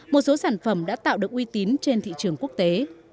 một số sản phẩm đã tạo được uy tín trên thị trường quốc tế